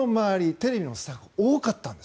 テレビのスタッフ多かったんです。